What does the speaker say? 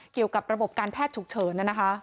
เกี่ยวกับระบบการแพทย์ฉุกเฉิน